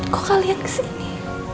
kok kalian kesini